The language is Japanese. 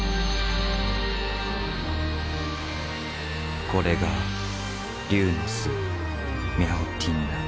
これが龍の巣ミャオティンだ。